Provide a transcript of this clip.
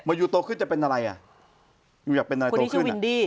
มายูโตขึ้นจะเป็นอะไรล่ะอยากเป็นอะไรโตขึ้นล่ะคนนี้ชื่อวินดี้